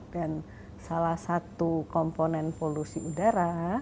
dan salah satu komponen polusi udara